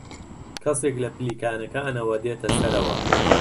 کەسێک لە پلیکانەکانەوە دێتە سەرەوە.